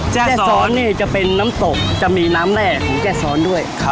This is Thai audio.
แจ้ซ้อนนี่จะเป็นน้ำตกจะมีน้ำแร่ของแจ้ซ้อนด้วย